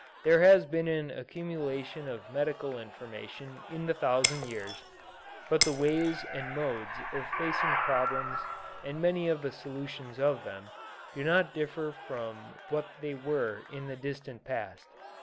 There has been an accumulation of medical information in the thousand years, but the ways and modes of facing problems and many of the solutions of them do not differ from what they were in the distant past.